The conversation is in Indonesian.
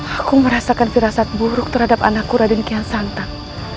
aku merasakan firasat buruk terhadap anakku raden kian santang